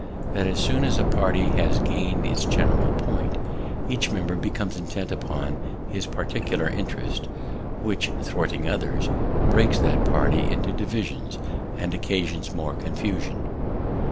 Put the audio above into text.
"That as soon as a party has gain'd its general point, each member becomes intent upon his particular interest; which, thwarting others, breaks that party into divisions, and occasions more confusion.